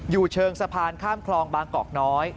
อยู่เชิงสะพานข้ามคลองบางกอกน้อย